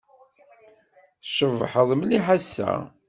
Tcebḥed mliḥ ass-a.